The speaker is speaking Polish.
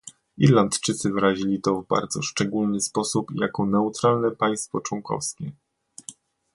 Irlandczycy wyrazili to w bardzo szczególny sposób i jako neutralne państwo członkowskie